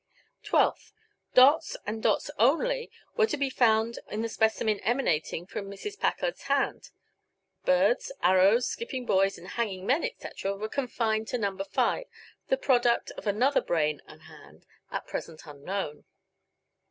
Twelfth: Dots and dots only were to be found in the specimen emanating from Mrs. Packard's hand; birds, arrows, skipping boys and hanging men, etc., being confined to No. 5, the product of another brain and hand, at present unknown.